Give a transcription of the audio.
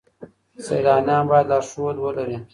سیلانیان باید لارښود ولرئ.